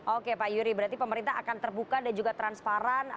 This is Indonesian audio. oke pak yuri berarti pemerintah akan terbuka dan juga transparan